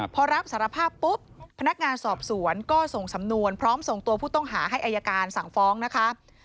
พอรับสารภาพปุ๊บพนักงานสอบสวนก็ส่งสำนวนพร้อมส่งตัวผู้ต้องหาให้อายการสั่งฟ้องนะคะ